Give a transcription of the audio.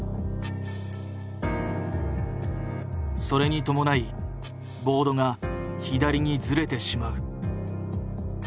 それに伴いボードが左にズレてしまう。